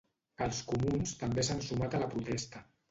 Els comuns també s'han sumat a la protesta.